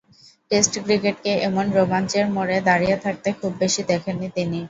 Test ক্রিকেটকে এমন রোমাঞ্চের মোড়ে দাঁড়িয়ে থাকতে খুব বেশি দেখেননি তিনি।